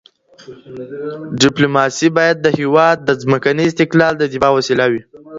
ډیپلوماسي باید د هېواد د ځمکني استقلال د دفاع وسیله وي.